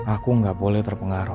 aku gak boleh terpengaruh